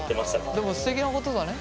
でもすてきなことだね。